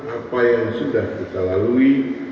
apa yang sudah kita lalui